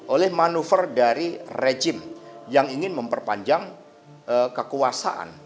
oleh manuver dari rejim yang ingin memperpanjang kekuasaan